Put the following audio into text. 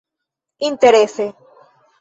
interese